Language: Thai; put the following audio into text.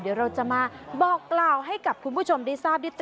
เดี๋ยวเราจะมาบอกกล่าวให้กับคุณผู้ชมได้ทราบดี